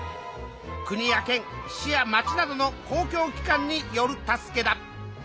国や県市や町などの公共機関による助けだ。